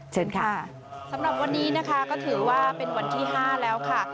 เชิญค่ะสำหรับวันนี้นะคะก็ถือว่าเป็นวันที่๕แล้วค่ะ